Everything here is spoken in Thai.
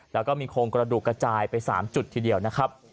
แล้วก็มีโครงกระดูกกระจายไป๓จุดทีเดียวนะครับ